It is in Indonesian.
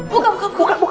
buka buka buka